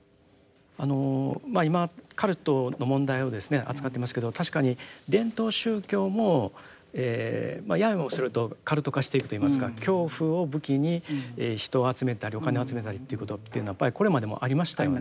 あのまあ今カルトの問題を扱っていますけど確かに伝統宗教もややもするとカルト化していくといいますか恐怖を武器に人を集めたりお金を集めたりということっていうのはやっぱりこれまでもありましたよね。